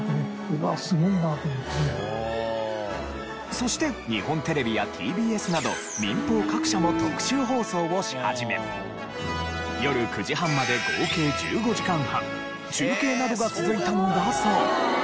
そして日本テレビやＴＢＳなど民放各社も特集放送をし始め夜９時半まで合計１５時間半中継などが続いたのだそう。